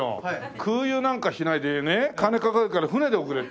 空輸なんかしないでね金かかるから船で送れって。